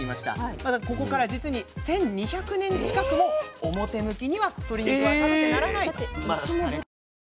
ここから実に１，２００年近くも表向きには鶏肉は食べてならないとされてきたんです。